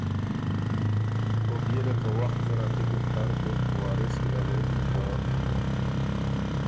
او بيې له که وخت زر ا پِکر تر دوک وارث کی له غوېکِن که